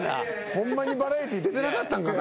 ホンマにバラエティー出てなかったんかな？